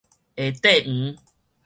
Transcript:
下塊黃